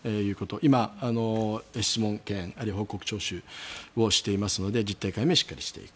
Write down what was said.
今、質問権あるいは報告徴収をしていますので実態解明をしっかりしていく。